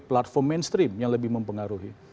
platform mainstream yang lebih mempengaruhi